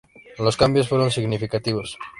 Los cambios fueron significativos.